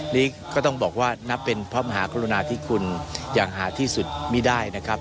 นี่ก็ต้องบอกว่านับเป็นพระมหากรุณาที่คุณอย่างหาที่สุดไม่ได้นะครับ